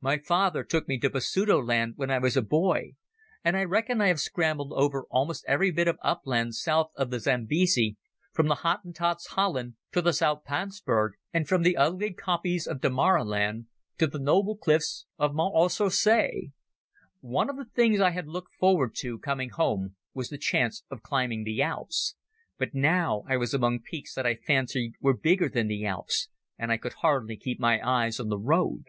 My father took me to Basutoland when I was a boy, and I reckon I have scrambled over almost every bit of upland south of the Zambesi, from the Hottentots Holland to the Zoutpansberg, and from the ugly yellow kopjes of Damaraland to the noble cliffs of Mont aux Sources. One of the things I had looked forward to in coming home was the chance of climbing the Alps. But now I was among peaks that I fancied were bigger than the Alps, and I could hardly keep my eyes on the road.